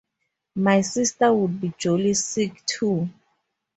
My sister would be jolly sick, too.